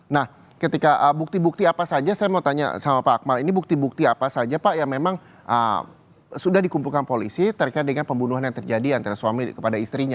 nah ketika bukti bukti apa saja saya mau tanya sama pak akmal ini bukti bukti apa saja pak yang memang sudah dikumpulkan polisi terkait dengan pembunuhan yang terjadi antara suami kepada istrinya